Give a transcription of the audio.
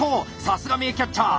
さすが名キャッチャー。